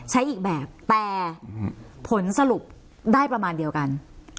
ใช้อีกแบบแต่ผลสรุปได้ประมาณเดียวกัน